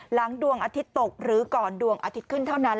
ดวงอาทิตย์ตกหรือก่อนดวงอาทิตย์ขึ้นเท่านั้น